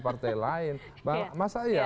partai lain masa iya